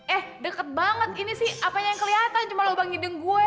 eh deket banget ini sih apa yang keliatan cuma lubang hidung gue